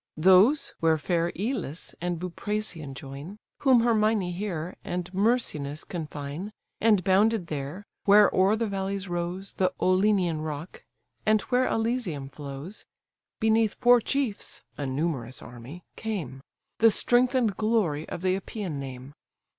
Those, where fair Elis and Buprasium join; Whom Hyrmin, here, and Myrsinus confine, And bounded there, where o'er the valleys rose The Olenian rock; and where Alisium flows; Beneath four chiefs (a numerous army) came: The strength and glory of the Epean name.